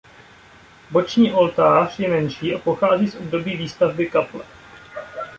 Boční oltář je menší a pochází z období výstavby kaple.